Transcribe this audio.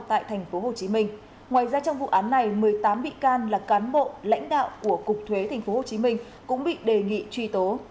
tại tp hcm ngoài ra trong vụ án này một mươi tám bị can là cán bộ lãnh đạo của cục thuế tp hcm cũng bị đề nghị truy tố